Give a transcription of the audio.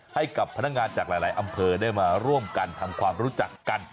ให้กับพนักงานจากหลายอำเภอได้มาร่วมกันทำความรู้จักกัน